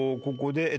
ここで。